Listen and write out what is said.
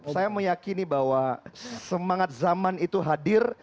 saya meyakini bahwa semangat zaman itu hadir